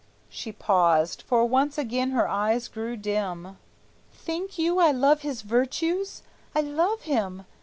She paused, for once again her eyes grew dim: "Think you I love his virtues? I love him!